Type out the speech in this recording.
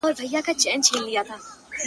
o د اوښ غلا په چوغه نه کېږي!